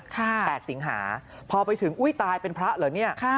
แปดสิงหาพอไปถึงอุ้ยตายเป็นพระเหรอเนี่ย